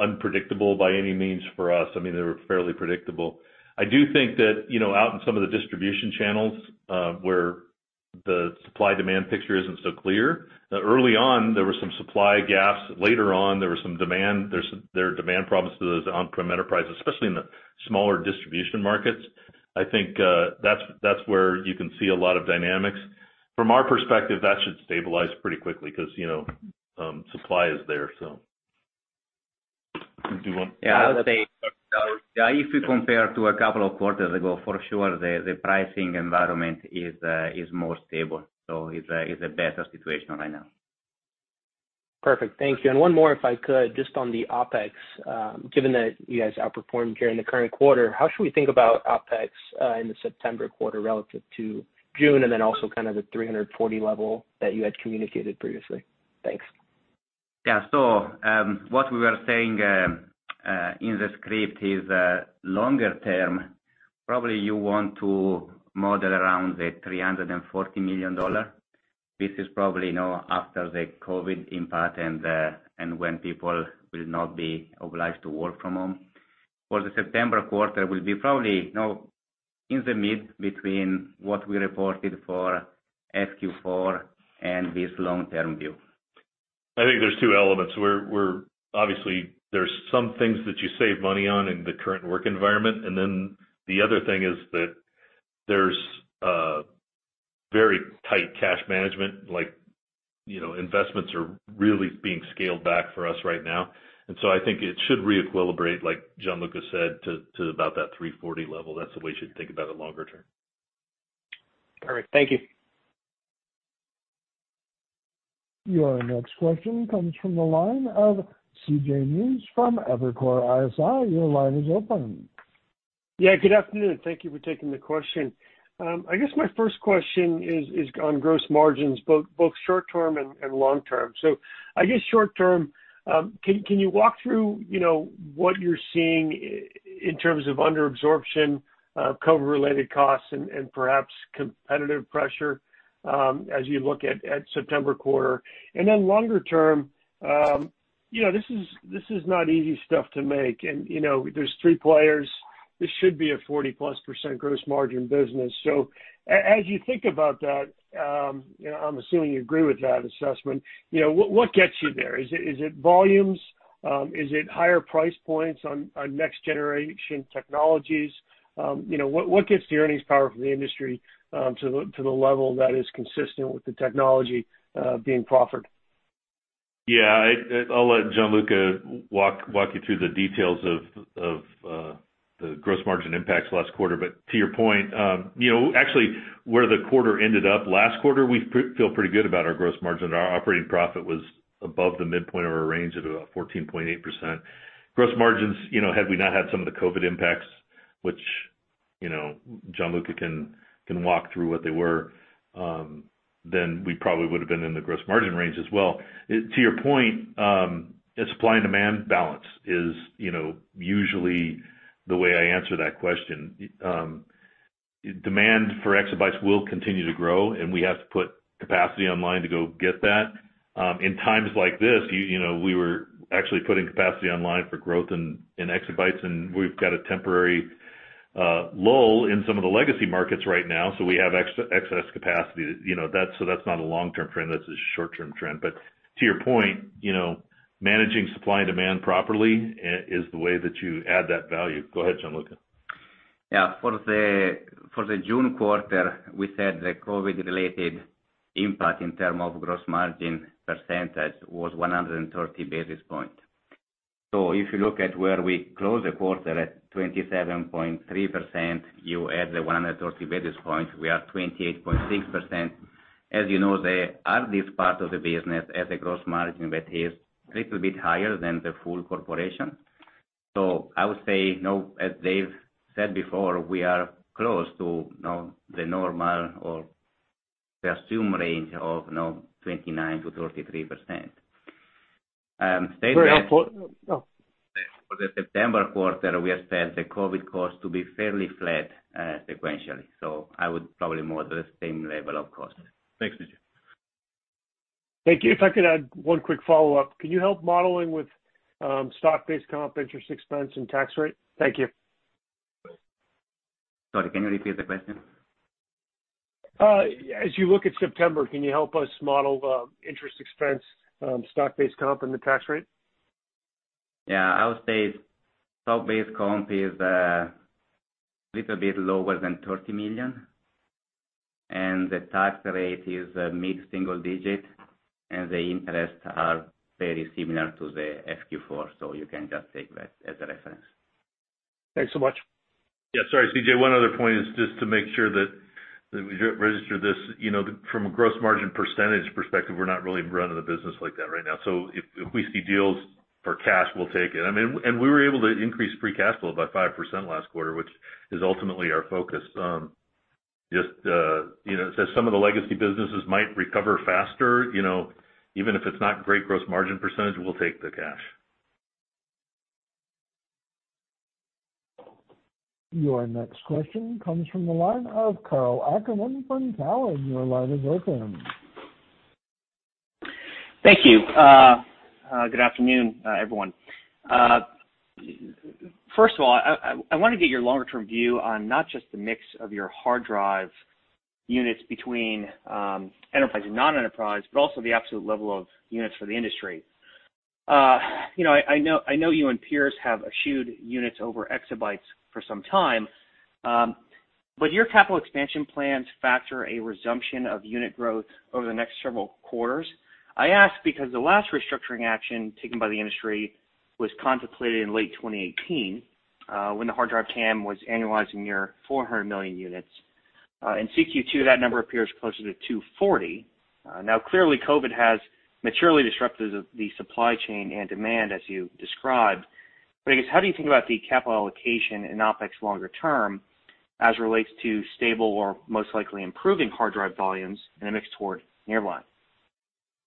unpredictable by any means for us. They were fairly predictable. I do think that out in some of the distribution channels, where the supply demand picture isn't so clear, early on, there were some supply gaps. Later on, there were some demand problems to those on-prem enterprises, especially in the smaller distribution markets. I think that's where you can see a lot of dynamics. From our perspective, that should stabilize pretty quickly because supply is there. Do you want to- Yeah, I would say if you compare to a couple of quarters ago, for sure, the pricing environment is more stable, so it's a better situation right now. Perfect. Thank you. One more, if I could, just on the OpEx. Given that you guys outperformed during the current quarter, how should we think about OpEx in the September quarter relative to June, and then also the $340 level that you had communicated previously? Thanks. Yeah. What we were saying in the script is longer- term, probably you want to model around the $340 million. This is probably after the COVID impact and when people will not be obliged to work from home. For the September quarter, we'll be probably in the mid between what we reported for SQ4 and this long-term view. I think there's two elements. Obviously, there's some things that you save money on in the current work environment, and then the other thing is that there's very tight cash management, like investments are really being scaled back for us right now. I think it should re-equilibrate, like Gianluca said, to about that 340 level. That's the way you should think about it longer -term. Perfect. Thank you. Your next question comes from the line of C.J. Muse from Evercore ISI. Your line is open. Yeah, good afternoon. Thank you for taking the question. I guess my first question is on gross margins, both short-term and long-term. I guess short-term, can you walk through what you're seeing in terms of under absorption, COVID-related costs, and perhaps competitive pressure as you look at September quarter? Then longer- term, this is not easy stuff to make, and there's three players. This should be a 40%-plus gross margin business. As you think about that, I'm assuming you agree with that assessment. What gets you there? Is it volumes? Is it higher price points on next generation technologies? What gets the earnings power for the industry to the level that is consistent with the technology being proffered? Yeah. I'll let Gianluca walk you through the details of the gross margin impacts last quarter. To your point, actually, where the quarter ended up last quarter, we feel pretty good about our gross margin. Our operating profit was above the midpoint of our range at about 14.8%. Gross margins, had we not had some of the COVID impacts, which Gianluca can walk through what they were, then we probably would've been in the gross margin range as well. To your point, a supply and demand balance is usually the way I answer that question. Demand for exabytes will continue to grow, and we have to put capacity online to go get that. In times like this, we were actually putting capacity online for growth in exabytes, and we've got a temporary lull in some of the legacy markets right now, so we have excess capacity. That's not a long-term trend, that's a short-term trend. To your point, managing supply and demand properly is the way that you add that value. Go ahead, Gianluca. For the June quarter, we said the COVID-related impact in terms of gross margin percentage was 130 basis points. If you look at where we closed the quarter at 27.3%, you add the 130 basis points, we are 28.6%. As you know, the HDD part of the business as a gross margin, that is little bit higher than the full corporation. I would say, as Dave said before, we are close to the normal or the assumed range of 29%-33%. Very helpful. For the September quarter, we expect the COVID cost to be fairly flat sequentially. I would probably model the same level of cost. Thanks, Gigi. Thank you. If I could add one quick follow-up. Can you help modeling with stock-based comp interest expense and tax rate? Thank you. Sorry, can you repeat the question? As you look at September, can you help us model the interest expense, stock-based comp, and the tax rate? Yeah. I would say stock-based comp is a little bit lower than $30 million. The tax rate is mid-single digit. The interest are very similar to the FQ4. You can just take that as a reference. Thanks so much. Yeah, sorry, C.J., one other point is just to make sure that we register this. From a gross margin percentage perspective, we're not really running the business like that right now. If we see deals for cash, we'll take it. We were able to increase free cash flow by 5% last quarter, which is ultimately our focus. As some of the legacy businesses might recover faster, even if it's not great gross margin percentage, we'll take the cash. Your next question comes from the line of Karl Ackerman with Cowen. Your line is open. Thank you. Good afternoon, everyone. First of all, I want to get your longer-term view on not just the mix of your hard drive units between enterprise and non-enterprise, but also the absolute level of units for the industry. I know you and Pierce have eschewed units over exabytes for some time. Would your capital expansion plans factor a resumption of unit growth over the next several quarters? I ask because the last restructuring action taken by the industry was contemplated in late 2018, when the hard drive TAM was annualizing near 400 million units. In CQ2, that number appears closer to 240. Now, clearly, COVID-19 has materially disrupted the supply chain and demand, as you described. I guess, how do you think about the capital allocation in OpEx longer term as it relates to stable or most likely improving hard drive volumes and a mix toward nearline?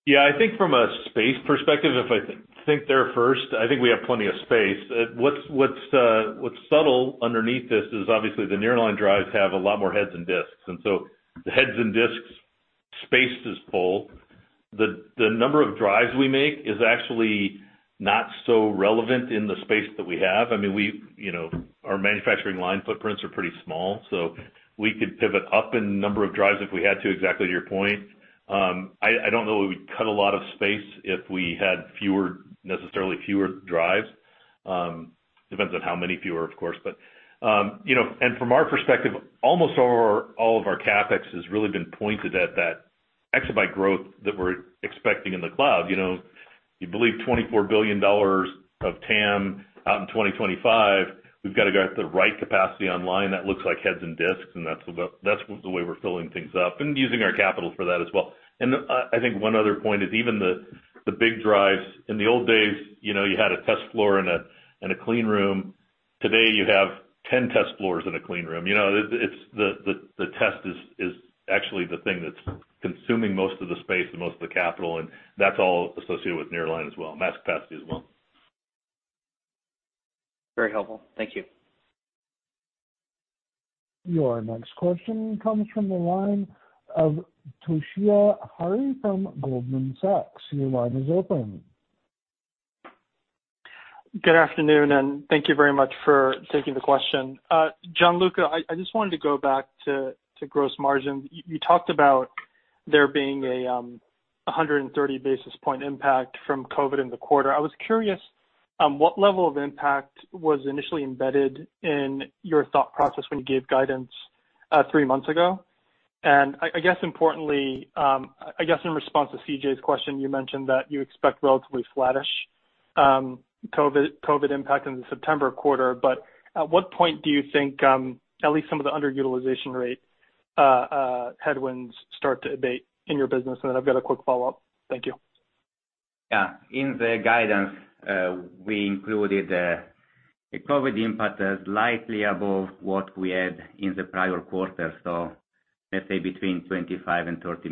Yeah, I think from a space perspective, if I think there first, I think we have plenty of space. What's subtle underneath this is obviously the nearline drives have a lot more heads than disks, the heads and disks space is full. The number of drives we make is actually not so relevant in the space that we have. Our manufacturing line footprints are pretty small, we could pivot up in number of drives if we had to, exactly to your point. I don't know that we'd cut a lot of space if we had necessarily fewer drives. Depends on how many fewer, of course. From our perspective, almost all of our CapEx has really been pointed at that exabyte growth that we're expecting in the cloud. You believe $24 billion of TAM out in 2025, we've got to get the right capacity online. That looks like heads and discs, and that's the way we're filling things up, and using our capital for that as well. I think one other point is even the big drives, in the old days, you had a test floor and a clean room. Today, you have 10 test floors and a clean room. The test is actually the thing that's consuming most of the space and most of the capital, and that's all associated with nearline as well, and mass capacity as well. Very helpful. Thank you. Your next question comes from the line of Toshiya Hari from Goldman Sachs. Your line is open. Good afternoon. Thank you very much for taking the question. Gianluca, I just wanted to go back to gross margin. You talked about there being a 130 basis point impact from COVID in the quarter. I was curious, what level of impact was initially embedded in your thought process when you gave guidance three months ago? I guess importantly, I guess in response to C.J.'s question, you mentioned that you expect relatively flattish COVID impact in the September quarter, but at what point do you think at least some of the underutilization rate headwinds start to abate in your business? I've got a quick follow-up. Thank you. Yeah. In the guidance, we included the COVID impact as likely above what we had in the prior quarter, so let's say between $25 million and $30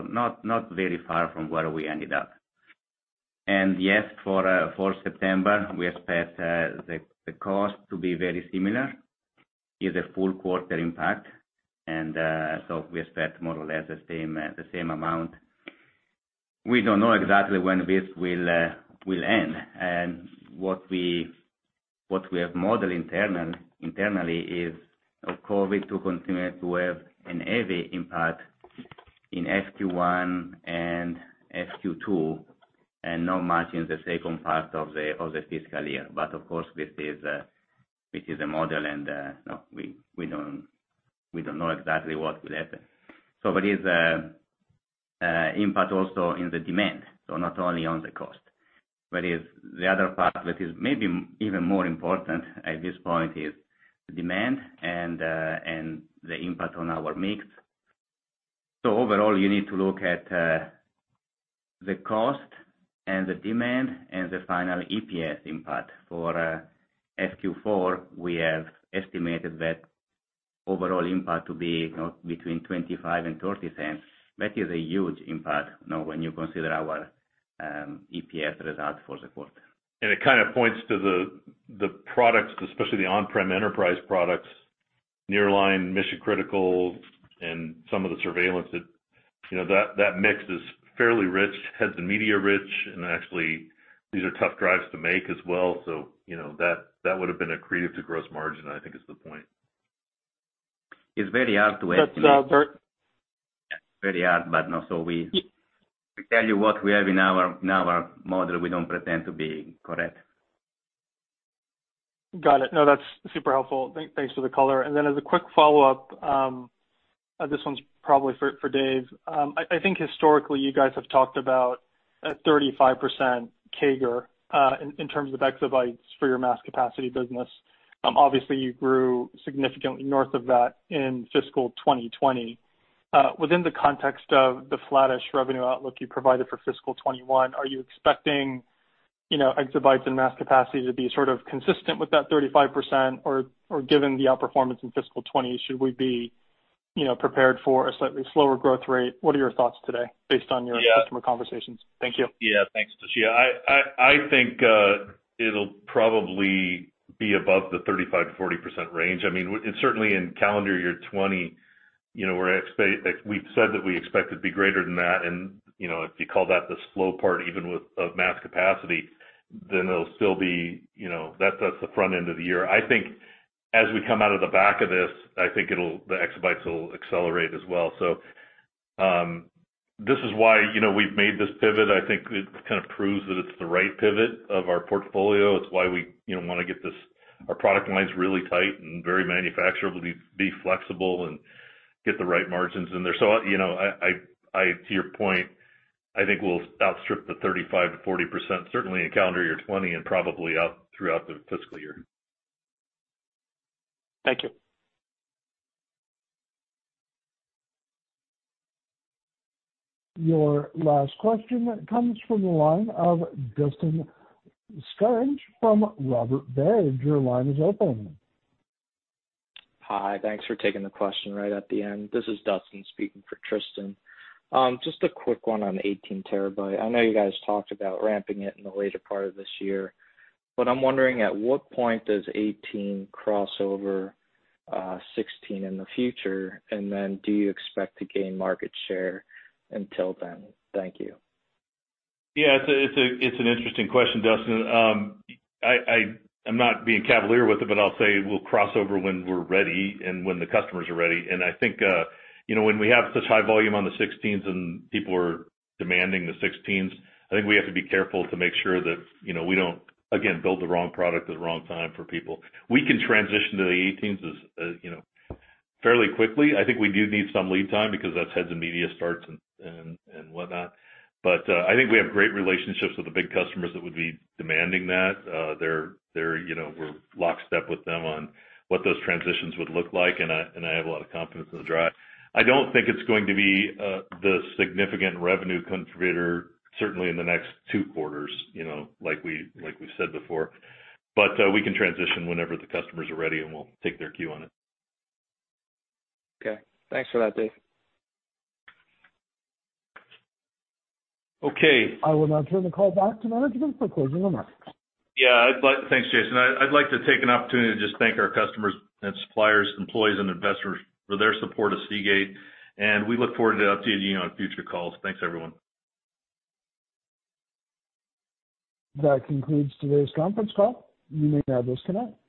million. Not very far from where we ended up. Yes, for September, we expect the cost to be very similar, is a full quarter impact. We expect more or less the same amount. We don't know exactly when this will end, and what we have modeled internally is of COVID to continue to have an heavy impact in FY 2021 and FY 2022, and not much in the second part of the fiscal. Of course, this is a model, and we don't know exactly what will happen. There is impact also in the demand, so not only on the cost. There is the other part that is maybe even more important at this point is the demand and the impact on our mix. Overall, you need to look at the cost and the demand and the final EPS impact. For Q4, we have estimated that overall impact to be between $0.25 and $0.30. That is a huge impact now when you consider our EPS result for the quarter. It kind of points to the products, especially the on-prem enterprise products, nearline, mission-critical, and some of the surveillance that mix is fairly rich, heads and media rich, and actually these are tough drives to make as well. That would've been accretive to gross margin. I think is the point. It's very hard to estimate. That's- Yeah. It's very hard, but no, so we tell you what we have in our model. We don't pretend to be correct. Got it. No, that's super helpful. Thanks for the color. Then as a quick follow-up, this one's probably for Dave. I think historically you guys have talked about a 35% CAGR, in terms of exabytes for your mass capacity business. Obviously, you grew significantly north of that in fiscal 2020. Within the context of the flattish revenue outlook you provided for fiscal 2021, are you expecting exabytes and mass capacity to be sort of consistent with that 35%? Given the outperformance in fiscal 2020, should we be prepared for a slightly slower growth rate? What are your thoughts today based on your Yeah customer conversations? Thank you. Yeah. Thanks, Tushar. I think it'll probably be above the 35%-40% range. I mean, certainly in calendar 2020, we've said that we expect it to be greater than that and if you call that the slow part even with of mass capacity, that's the front end of the. I think as we come out of the back of this, the exabytes will accelerate as well. This is why we've made this pivot. I think it kind of proves that it's the right pivot of our portfolio. It's why we want to get our product lines really tight and very manufacturable to be flexible and get the right margins in there. To your point, I think we'll outstrip the 35%-40%, certainly in calendar 2020 and probably throughout the fiscal. Thank you. Your last question comes from the line of Dustin Scaringe from Robert W. Baird. Your line is open. Hi. Thanks for taking the question right at the end. This is Dustin speaking for Tristan. Just a quick one on 18 terabyte. I know you guys talked about ramping it in the later part of this, but I'm wondering at what point does 18 cross over 16 in the future, and then do you expect to gain market share until then? Thank you. Yeah, it's an interesting question, Dustin. I'm not being cavalier with it, but I'll say we'll cross over when we're ready and when the customers are ready. I think, when we have such high volume on the 16s and people are demanding the 16s, I think we have to be careful to make sure that we don't, again, build the wrong product at the wrong time for people. We can transition to the 18s as fairly quickly. I think we do need some lead time because that's heads and media starts and whatnot. I think we have great relationships with the big customers that would be demanding that. We're lockstep with them on what those transitions would look like, and I have a lot of confidence in the drive. I don't think it's going to be the significant revenue contributor certainly in the next two quarters, like we said before. We can transition whenever the customers are ready, and we'll take their cue on it. Okay. Thanks for that, Dave. Okay. I will now turn the call back to management for closing remarks. Yeah. Thanks, Jason. I'd like to take an opportunity to just thank our customers and suppliers, employees, and investors for their support of Seagate, and we look forward to updating you on future calls. Thanks, everyone. That concludes today's conference call. You may now disconnect.